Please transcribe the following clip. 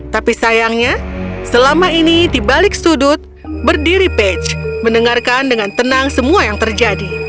tapi sayangnya selama ini di balik sudut berdiri page mendengarkan dengan tenang semua yang terjadi